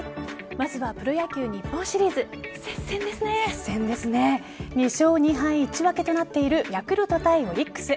まずはプロ野球日本シリーズ２勝２敗１分となっているヤクルト対オリックス。